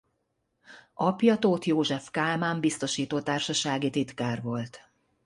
Apja Tóth József Kálmán biztosító társasági titkár volt.